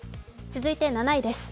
続いて７位です。